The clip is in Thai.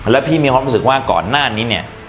แล้วพี่มีความรู้สึกว่าก่อนหน้านี้เนี่ย